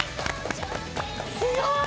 すごい！